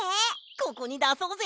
ここにだそうぜ。